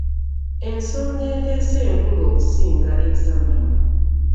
Ensonga endeese nkulu okusinga ezammwe.